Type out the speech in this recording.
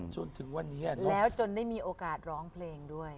จนถึงวันนี้แล้วจนได้มีโอกาสร้องเพลงด้วย